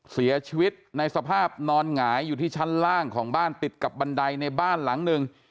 เสียชีวิตในสภาพนอนหงายอยู่ที่ชั้นล่างของบ้านติดกับบันไดในบ้านหลังหนึ่ง